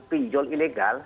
pelaku pinjol ilegal